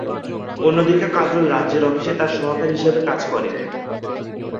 অন্যদিকে কাজল রাজের অফিসে তার সহকারী হিসেবে কাজ করে।